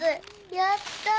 やったぁ！